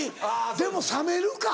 でも冷めるか。